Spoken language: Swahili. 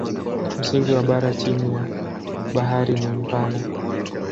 Msingi wa bara chini ya bahari ni mpana.